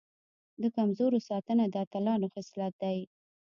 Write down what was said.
د کمزورو ساتنه د اتلانو خصلت دی.